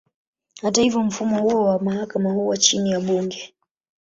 Hata hivyo, mfumo huo wa mahakama huwa chini ya bunge.